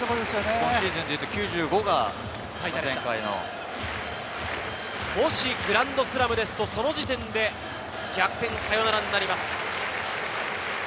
今シーズン９５が最多でもしグランドスラムですとその時点で逆転サヨナラになります。